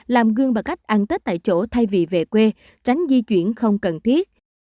làm gương bằng cách ăn tết tại chỗ thay vì về quê tránh di chuyển không cần thiết